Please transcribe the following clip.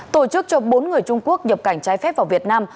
tổ chức cho bốn người trung quốc nhập cảnh trái phép vào việt nam